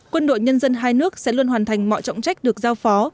quân đội nhân dân hai nước sẽ luôn hoàn thành mọi trọng trách được giao phó